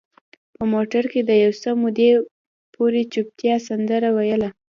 په موټر کې د یو څه مودې پورې چوپتیا سندره ویله.